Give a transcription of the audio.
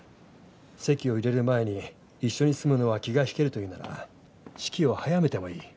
籍を入れる前に一緒に住むのは気が引けるというなら式を早めてもいい。